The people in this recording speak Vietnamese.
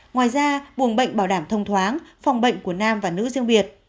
ngoài ra buồng bệnh bảo đảm thông thoáng phòng bệnh của nam và nữ riêng biệt